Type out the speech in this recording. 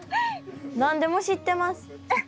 何でも知ってます。